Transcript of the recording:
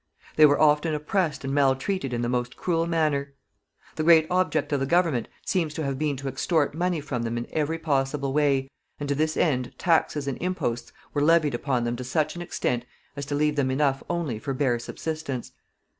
They were often oppressed and maltreated in the most cruel manner. The great object of the government seems to have been to extort money from them in every possible way, and to this end taxes and imposts were levied upon them to such an extent as to leave them enough only for bare subsistence.